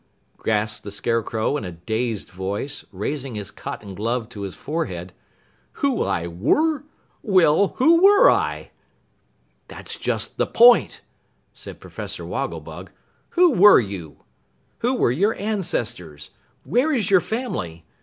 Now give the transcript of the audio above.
gasped the Scarecrow in a dazed voice, raising his cotton glove to his forehead. "Who I were? Well, who were I?" "That's just the point," said Professor Wogglebug. "Who were you? Who were your ancestors? Where is your family?